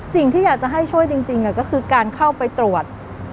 สิ่งที่อยากจะให้ช่วยจริงก็คือการเข้าไปตรวจ